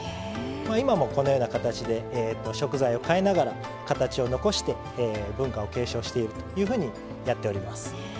今もこのような形で食材を変えながら形を残して文化を継承しているというふうにやっております。